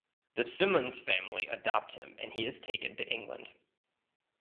The Simmonds family adopt him and he is taken to England.